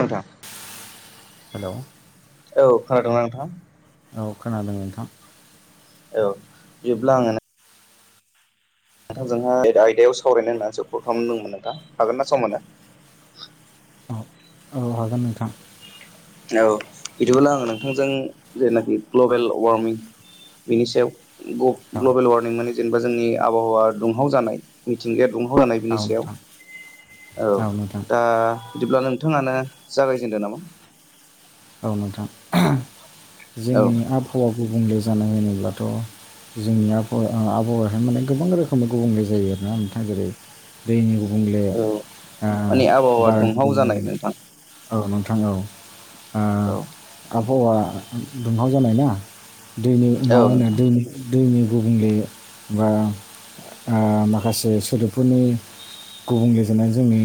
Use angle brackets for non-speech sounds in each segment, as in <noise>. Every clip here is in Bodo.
नोंथां हेलौ औ खोनादोंना नोंथां? औ खोनादों नोंथां। औ बिदिब्ला आङो नोंथांजोंहाय आयदायाव सावरायनो होननानैसो फन खालामदोंमोन। नोंथां हागोन ना सम होनो? औ औ हागोन नोंथां। औ बिदिब्ला आं नोंथांजों जेनाखि ग्लबेल वारमिं बिनि सायाव औ ग्ल-ग्लबेल वारमिं माने जेनेबा जोंनि आबहावा दुंहाव जानाय। मिथिंगाया दुंहाव जानाय औ बिनि सायाव नोंथां औ दा बिदिब्ला नोंथाङानो जागायजेनदो नामा? औ नोंथां औ जोंनि आबहावा गुबुंले जानाय होनोब्लाथ' जोंनि आबहावा ओं आबहावाहाया माने गोबां रोखोमनि गुबुंले जायो आरोना नोंथां। जेरै दैनि गुबुंले, औ ओ माने आबहावा बारनि दुंहाव जानाय गुबुंले, नोंथां औ नोंथां औ। ओं औ आबहावा दुंहाव जानाय ना दैनि मा औ होनो नोंथां दैनि दैनि गुबुंले बा ओ माखासे सोदोबफोरनि गुबुंले जानानै जोंनि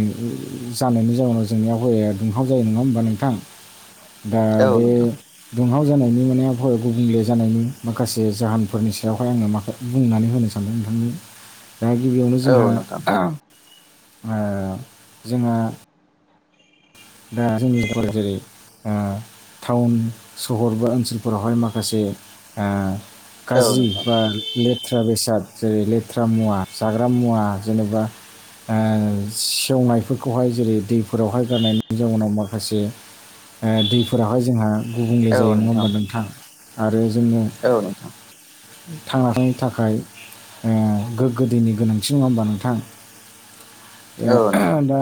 जानायनि जाउनाव जोंनि आबहावाया दुंहाव जायो नङा होमबा नोंथां? दा औ बे नोंथां दुंहाव जानायनि माने आबहावा गुबुंले जानायनि माखासे जाहोनफोरनि सायावहाय आङो माखा बुंनानै होनो सानदों नोंथांनो <inaudible> दा गिबियावनो औ जोंहा नोंथां ओं जोंहा दा जोंनिव जेरै ओं टाउन सहर बा ओनसोलफोरावहाय माखासे ओ औ गाज्रि बा नोंथां लेथ्रा बेसाद जेरै लेथ्रा मुवा, जाग्रा मुवा जेनेबा ओं सेवनायफोरखौहाय जेरै दैफोरावहाय गारनायनि जाउनाव माखासे ओं दैफोरावहाय जोंहा गुबुंले जायो नङा होमबा नोंथां आरो जोङो औ नोंथां थांना थानायनि थाखाय ओं गोग्गो दैनि गोनांथि नङा होमबा नोंथां। <inaudible> नोंथां दा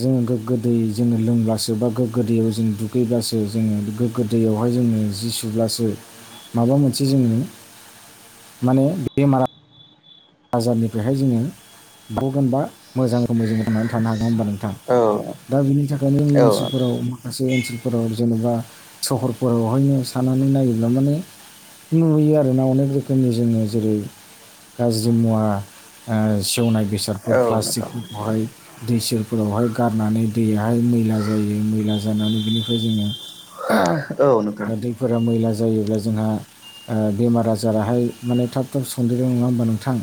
जोंङो गोगो दै जोङो लोंब्लासो बा गोग्गो दैयाव जों दुगैब्लासो जोङो गोग्गो दैयावहाय जोङो अब्लासो माबा मोनसे जोङो बेमारा बाजारनिफ्रायहाय जोङो बेखौ जेनेबा मोजां रोखोमै जोङो थांनानै थानो हागोन होनबा औ नोंथां दा बिनि थाखायनो जोंनि औ ओनसोलफोराव माखासे ओनसोलफोराव जेनेबा सहरफोरावहायनो सानानै नायोब्ला माने नुयो आरोना अनेक रोखोमनि जोङो जेरै गाज्रि मुवा सेवनाय नोंथां बेसादफोर प्लास्टिकफोरखौहाय दै सेरफोरावहाय गारनानै दैयाहाय मैला जायो मैला जानानै बिनिफ्राय जोङो औ नोंथां <inaudible> दै फोरा मैला जायोब्ला जोंहा बेमार आजाराहाय माने थाब थाब संन्देरो नङा होमबा नों गोथां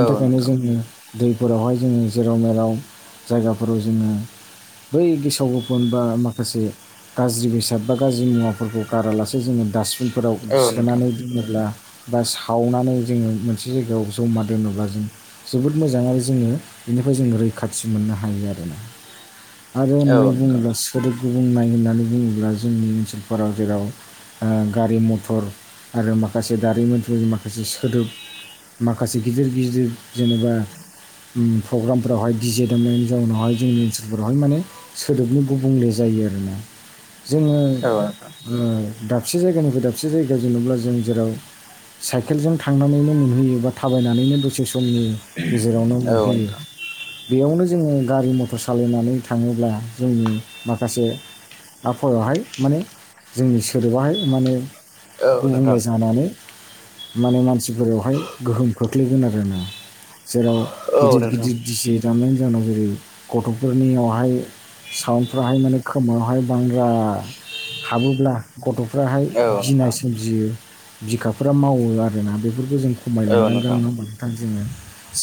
औ थाखायनो नोंथां जोङो दैफोरावहाय जोङो जेराव मेलाव जायगाफोराव जोङो बै गेसाव गोफन बा माखासे गाज्रि बेसाद बा गाज्रि मुवाफोरखौ गारासे जोङो डास्टबिन फोराव औ नोंथां सोनानै दोनोब्ला बा सावनानै जोङो मोनसे जायगायाव जमा दोनोब्ला जों जोबोद मोजां आरो जोङो बेनिफ्राय जों रैखाथि मोननो हायो आरो। आरो औ नोंथां औ होननानै नोंथां बुङोब्ला सोदोब गुबुं नाय होननानै बुङोब्ला जोंनि ओनसोलफोराव जेराव गारि मथर आरो माखासे दारिमिनफोरनि माखासे दोब माखासे गिदिर गिदिर जेनेबा प्रग्रामफोरावहाय बिजेदोंमोन जउनावहाय जोंनि ओनसोलफोरावहाय माने सोदोबनि गुबुंले जायो आरोना जोङो औ दाबसे जायगानिफ्राय दाबसे जायगायाव जेननोब्ला जों जेराव साइकेलजों थांनानैनो मोनहैयो बा थाबायनानैनो बोसे समनि गेजेरावनो नोंथां औ मोनहैयो नोंथां बेयावनो जोङो गारि मथर सालायनानै थाङोब्ला जोंनि माखासे आफावहाय माने जोंनि सोदोबाहाय माने औ नोंथां गुबुंले जानानै माने मानसिफोरावहाय गोहोम खोख्लैगोन आरो ना जेराव औ गिदिर नोंथां गिदिर गिदिर एजामनायनि जाहाव जेरै गथ'फोरनियावहाय साउन्डफ्राहाय माने खोमायावहाय बांद्रा हाबोब्ला गथ'फ्राहाय औ गिनाय नोंथां सोमजियो बिखाफोरा मावो आरो ना बेफोरखौ जों औ खमायलांनांगोन नोंथां नङा होमबा जोङो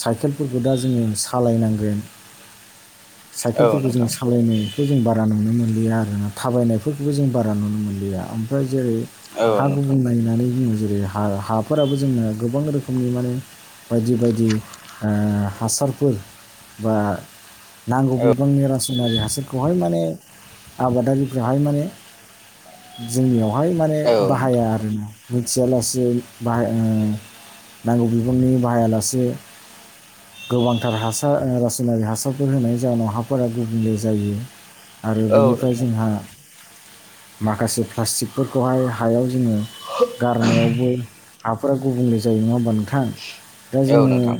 साइकेलफोरखौ दा जोङो सालायनांगोन <inaudible> साइकेलफोरखौ जों नोंथां औ नोंथां सालायनायखौ जों बारा नुनो मोनलिया आरोना थाबायनायफोरखौबो जों बारा नुनो मोनलिया फ्राय जेरै औ हा नोंथां गुबुं नायनानै बुङो जेरै हा हा ह फोराबो जोङो गोबां रोखोमनि माने बायदि बायदि हासारफोर बा नांगौ बिबांनि रासायनारि हासारखौहाय माने आबादारिफ्राहाय माने जोंनियावहाय माने बाहाया आरोना मिथियालासे बाहाय नांगौ बिबनि बाहायालासे गोबांथार हासार रासायनारि हासारफोर होनायनि जाहोनाव हाफोरा गुबुंले जायो आरो औ नोंथां औ नोंथां औ बेनिफ्राय जोंहा माखासे प्लास्टिकफोरखौहाय हायाव जोङो गारनायावबो हाफोरा गुबुंले जायो नङा होमबाथां दा नोंथां औ जोङो नोंथां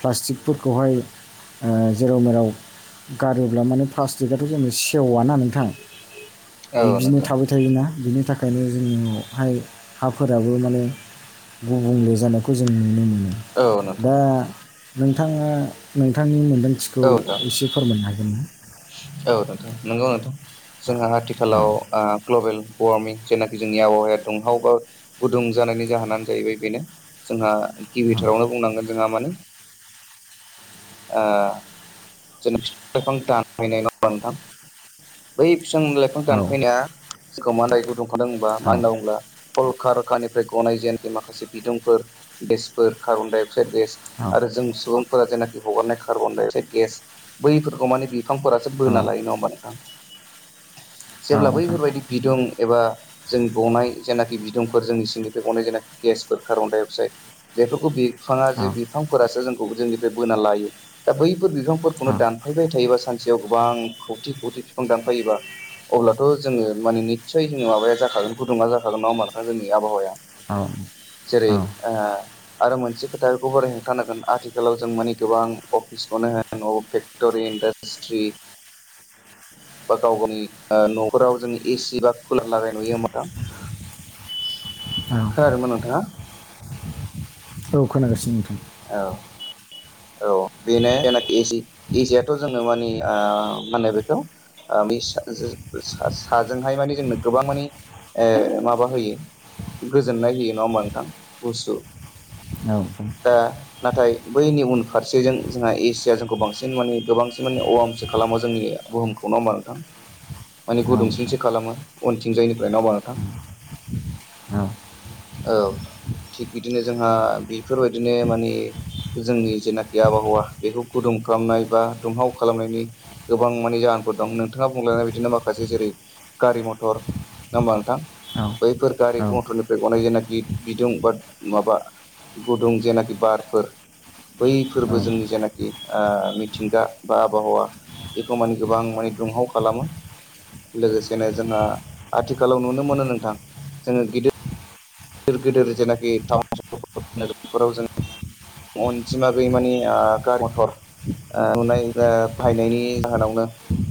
प्लास्टिकफोरखौहाय जेराव मेराव गारोब्ला माने प्लास्टिकआथ' जों सेवा ना नोंथां बिब्दिनो थाबाय थायोना बिनि थाखायनो जोंनियावहाय हाफोराबो माने गुबुंले जानायखौ जों नुनो मोनो दा नोंथाङा नोंथांनि मोन्दांथिखौ एसे फोरमायनो हागोन न औ नोंथ नंगौ नोंथां जोंहा आथिखालाव ग्लबेल वार्मिं जेनाखि जोंनि आबहावाया दुंहाव बा गुदुं जानायनि जाहोनानो जाहैबाय बेनो जोंहा गिबिथारावनो बुंनांगोन जोंहा माने जां दांहैनाय नङा नोंथां बै बिफां लाइफां औ दानफैनाया जोंखौ मााय गुदुंखादों होनबा औ मा होनना बुंल्बा अलक रखानिफ्राय गनाय जेनाखि माखासे बिदुंफोर गेसफोर कार्बन दडाइ अक्साइद गेस औ आरो जों सुबुंफोरा जेनाखि हगारनाय कार्बन ाइ अक्साय गेस बैफोरखौ माने बिफांफोरा औ बोना लायो नङा होमबा नोंथां जेब्ला नोंथां बैफोरबायदि बिदुं एबा जोंनि गनाय जेनाखि बिदुंफोर जोंनि सिंनिफ्राय गनाय जेनाखि गेसफोर कार्बन डाइ अक्साइड बेफोरखौ बिफाङा जे औ बिफांफोरासो जोंखौ जोंनिफ्राय बोना लायो दा बैफोर बिफांफोरखौनो दान थांफैबाय थायोबा सानसेयाव गोबां खौथि खौथि बिफां दानफायोबा अब्लाथ' जोङो माने निसय जोङो माबाया जाखागोन गुदुङा जाखागोन ना मथां जोंनि आबहावाया औ जेरै औ आरो मोनसे खोथा बेखौ बोरै हेंथानांगोन आथिखालाव जों मान गोबां अफिसखौनो होन अब फेक्ट'रि इडास्ट्रि बा गाव गावनि न'खराव जों एसि बा कुलार लागाय नुयो होम दां औ औ खोनागासिनो नोंथां औ औ बेनो जायनाखि एजि इजियाथ' जोङो मानिे मा होनो बेखौ बे साजोंहाय माने जोंनो गोबां माने माबा होयो गोजोननाय होयो नङा होमबा नोंथां गुसु औ औ दा नाथाय बैनि उन फारसेजों जोंहा एसिया जोंखौ बांसिन माने गोबांसिन माने अवमस खालामो जोंनि बुहुमखौ नाव बारथां माने नोंथां गुदुंसिंसो खालामो उनथिंजायनिफ्राय नाव बारथां औ औ थिग बिदिनो जोंहा बेफोरबायदिनो माने जोंनि जेनाखि आबहावा बेखौ गुदुं खालामनाय बा दुंहाव खालामनायनि गोबां मानिे जाहोनफोर दं नोंथाङा बुंलायनाय बिदिनो माखासे जेरै गारि मथर हबा नोंथां बैफोर गारि नोंथां औ मथरनि बे गनाय जेनाखि बिदुं बा माबा गुदुं जेनाखि बारफोर बै औ फोरबो जोंनि जेनाखि मिथिंगा बा आबहावा बेखौ माने गोबां माने दुंहाव खालामो लोगोसेनो जोंहा आथिखालाव नुनो मोनो नोंथां जोङो गिदिर गिदिर गिदिर जेनाखि टाउन सर नोफोराव जोङ अनजिमा गैयि मानि गारि मथर मोननाय बाहायनायनि जाहोनावनो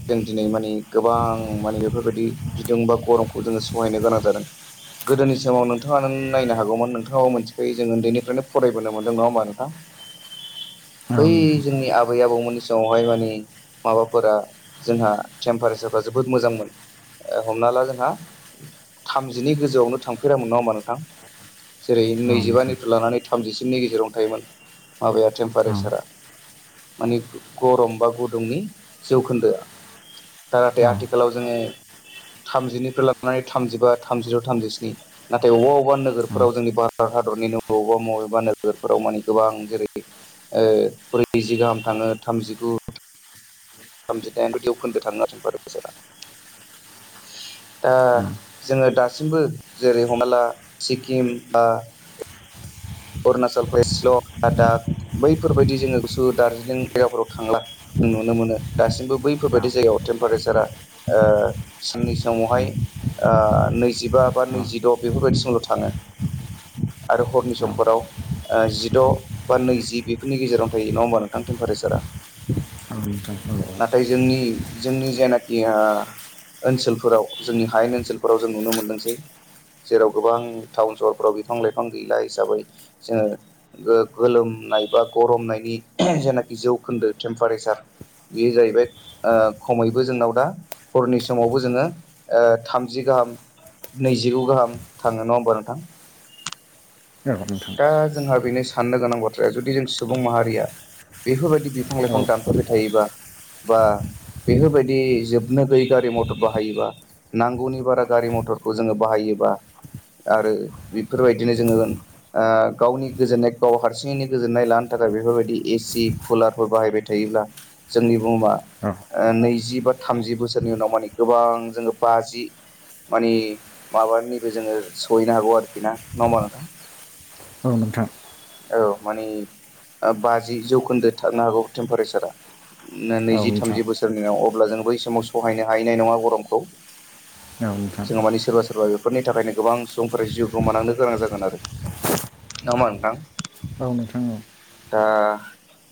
जों दिनै मानिे गोबां माने बेफोरबायदि बिदुं बा गरमखौ जोङो सहायनो गोनां जादों गोदोनि समाव नोंथां नोंथाङा नों नायनो हागौमोन नोंथाङाबो मोनथिखायो जों उन्दैनिफ्रायनो फरायबोनो मोनदों नङा होमबा नोंथां नोंथां औ नोंथां औ बै जोंनि आबै आबौमोन जावहाय मानिे माबाफोरा जोंहा टेमपारेसारफ्रा जोबोद मोजांमोन हमना ला जोंहा थामजिनि गोजौआवनो थांफेरामोन नङा होनबा नों जेरै नैजिबानिफ्राय लानानै थामजिसेनि गेजेरावनो थायोमोन माबाया टेम्पारेसारा माने गरम बा गुदुंनि जौखोन्दोआ दा नाथाय आथिखालाव जोङो थामजिनिफ्राय लानानै थामजिबा थामजिद' थामजिस्नि नाथाय अबेबा अबेबा नोगोराव जोंनि भारत हादरनिनो बबेबा बबेबा नोगोरफोराव माने गोबां जेरै ब्रैजि गाहाम थाङो थामजिगु थामजिदाइन' जौखोन्दो थाङो आरो टेम्पारेसारा दा जोङो दासिमबो जेरै हमना ला सिक्किम बा अरुणाचल प्रदेश ल आ दा बैफोरबायदि जोङो गुसु दार्जिलिं जायगाफोराव थांला नुनो मोनो दासिमबो बैफोरबायदि जायगायाव टेम्पारेसारा ओ साननि समावहाय ओ नैजिबा बा नैजिद' बेफोरबायदिसिमल' थाङो आरो हरनि सम फोराव जिद' बा नैजि बेफोरनि गेजेरावनो थायो नङा होमबा नोंथां टेम्पारेचारा नोंथां औ औ नाथाय जोंनि जोंनि जेनाखि हा ओनसोलफोराव जोंनि हायेन ओनसोलफोराव जों नुनो मोनदोंसै जेराव गोबां टाउन सहरफ्राव बिफां लाइफां गैला हिसाबै जोङो गोलोमनाय बा गरमनायनि जेनाखि जौखोन्दो टेम्पारेसार बे जाहैबाय खमैबो जोंनाव दा हरनि समावबो जोङो थामजि गाहाम नैजिगु गाहाम थाङो नङा होमबा नोंथां नंगौ नोंथां दा जोंहा बेनो साननो गोनां बाथ्राया जुदि जों सुबुं माहारिया बेफोरबायदि बिफां औ लाइफां दानफायबाय थायोबा बा बेफोरबायदि जोबनो गैयै गारि मथर बाहायोबा नांगौनि बारा गारि मथरखौ जोङो बाहायोबा आरो बेफोरबायदिनो जोङो ओ गावनि गोजोननाय गाव हारसिङैनो गोजोननाय लानो थाखाय बेफोरबायदि एसि कुलारफोर बाहायबाय थायोब्ला जोंनि बुहुमा औ ओ नैजि बा थामजि बोसोरनि उनाव माने गोबां जोङो बाजि मानि माबानिबो जोङो सहैनो हागौ आरोखि ना नङा होमबा नोंथां औ नोंथां औ माने बाजि जौखोन्दो थांनो हागौ टेम्पारेसारा औ नैजि नोंथां थामजि बोसोरनियाव अब्ला जों बै समाव सहायनो हायैनाय नङा गरमखौ औ नोंथां जोंहा माने सोरबा सोरबा बे फोरनि थाखायनो गोबां सुबुंफोरा जिउ गोमानांनो गोनां जागोन आरो नङा होमबा नोंथां औ नोंथां औ दा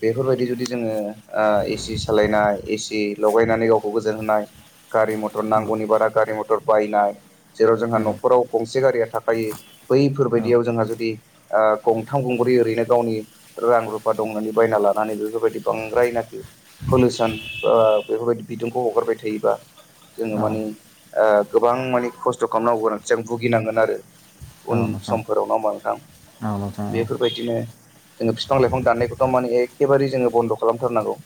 बेफोरबायदि जुदि जोङो एसि सालायनाय एसि लगायनानै गावखौ गोजोन होनाय गारि मथर औ नांगौनि बारा गारि मथर बायनाय जेराव औ जोंहा न'खराव गंसे गारिया थाखायो औ बैफोरबायदियाव जोंहा जुदि ओ गंथाम गंब्रै ओरैनो गावनि रां रुफा दं होननानै बायना लानानै बेफोरबायदि बांद्रायनाखि पलुसन ओ बेफोरबायदि बिदुंखौ हगारबाय थायोबा जोङो औ माने ओ गोबां माने खस्थ' खालामनांगौ गोनांथिजों भुगिनांगोन आरो उन नोंथां समफोराव नङा होमबा नोंथां औ नोंथां बेफोरबायदिनो जोङो बिफां -लाइफां दाननायखौथ' माने एखेबारे जोङो बन्द' खालामथारनांगौ।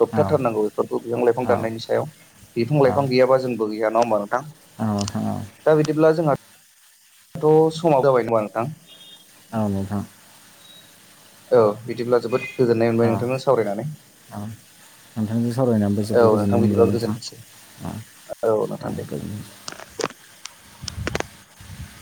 होबथाथारनांगौ बेफोरखौ बिफां लाइफां दान्नायनि सायाव बिफां लाइफां गैयाबा जोंबो गैया नङा होमबा नोंथां दा बिदिब्ला जोंहा दाथ' समा जाबाय जोंहा नोंथां औ नोंथां औ बिदिब्ला जोबोद गोजोननाय मोनबाय औ नोंथांजों सावरायनानै नोंथांजों सावरायनायबो औ जोबोद गोजोननाय नोंथां मोनबाय बिदिबा नोंथां। गोजोनथोंसै औ नोंथां दे गोजोनथों